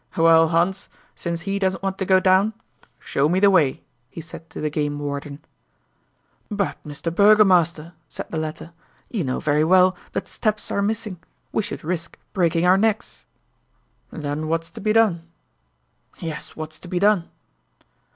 "Well, Hans, since he doesn't want to go down, show me the way," he said to the game warden. "But, Mr. Burgomaster," said the latter, "you know very well that steps are missing; we should risk breaking our necks." "Then what's to be done?" "Yes, what's to be done?"